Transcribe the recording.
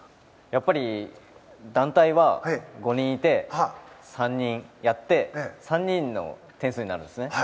やっぱり団体は５人いて３人やって３人の点数になるんですね。